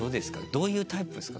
どういうタイプですか？